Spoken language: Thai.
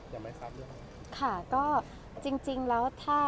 อุยมีอีกหนึ่งที่ยังไงครับ